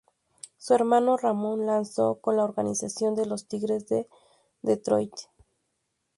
Su hermano Ramón, lanzó con la organización de los Tigres de Detroit.